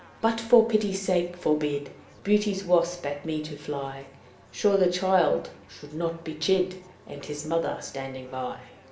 "But for pity's sake, forbid Beauty's wasp at me to fly; Sure the child should not be chid, And his mother standing by.